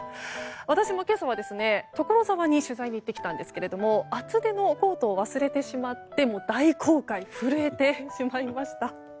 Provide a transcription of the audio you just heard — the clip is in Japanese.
私も今朝は所沢に取材に行ってきたんですけれども厚手のコートを忘れてしまって大後悔、震えてしまいました。